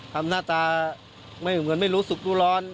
หน้าตาไม่เหมือนไม่รู้สึกรู้ร้อน